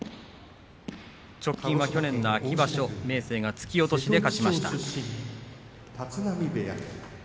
直近は去年の初場所明生が突き落としで勝ちました。